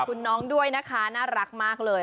คุณน้องด้วยนะคะน่ารักมากเลย